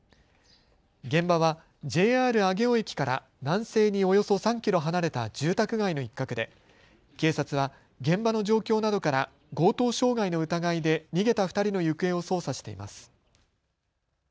現場はＪＲ上尾駅から南西におよそ３キロ離れた住宅街の一角で警察は現場の状況などから強盗傷害の疑いで逃げた２人の行方を捜査しています。